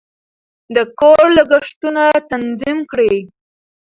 د کور لګښتونه تنظیم کړئ.